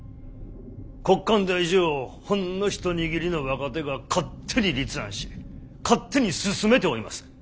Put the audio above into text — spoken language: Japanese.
国家ん大事をほんの一握りの若手が勝手に立案し勝手に進めておいもす。